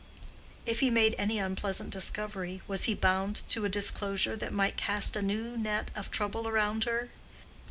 If he made any unpleasant discovery, was he bound to a disclosure that might cast a new net of trouble around her?